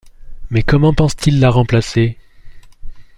Mais comment pense-t-il la remplacer ?